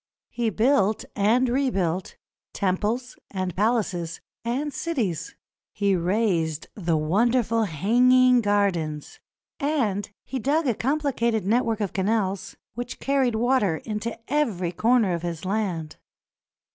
He built and rebuilt temples and palaces and cities; he raised the wonderful Hanging Gardens; and he dug a complicated network of canals which carried water into every corner of his land.